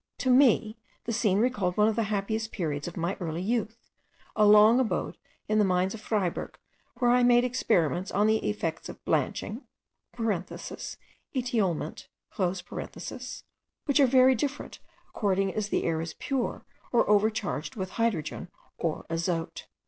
To me the scene recalled one of the happiest periods of my early youth, a long abode in the mines of Freyberg, where I made experiments on the effects of blanching (etiolement), which are very different, according as the air is pure or overcharged with hydrogen or azote.